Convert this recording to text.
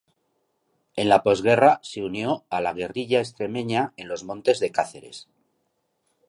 En la posguerra se unió a la guerrilla extremeña en los montes de Cáceres.